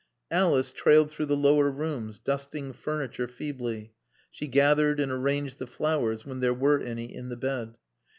Alice trailed through the lower rooms, dusting furniture feebly; she gathered and arranged the flowers when there were any in the bed.